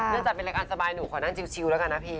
จากเป็นรายการสบายหนูขอนั่งชิวแล้วกันนะพี่